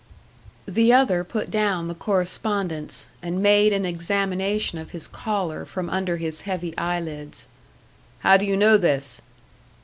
The other put down the correspondence, and made an examination of his caller from under his heavy eyelids. "How do you know this?"